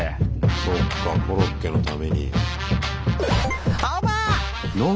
そうかコロッケのために。